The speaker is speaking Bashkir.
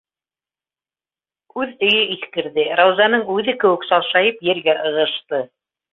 Үҙ өйө иҫкерҙе, Раузаның үҙе кеүек салшайып ергә ығышты.